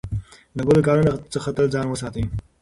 له بدو کارونو څخه تل ځان وساتئ.